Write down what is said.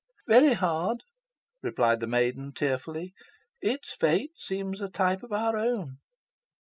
"Very hard!" replied the maiden, tearfully. "Its fate seems a type of our own."